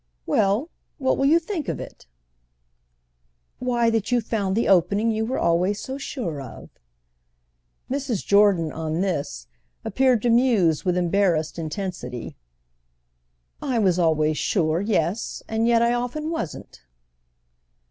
"Well, what will you think of it?" "Why that you've found the opening you were always so sure of." Mrs. Jordan, on this, appeared to muse with embarrassed intensity. "I was always sure, yes—and yet I often wasn't!"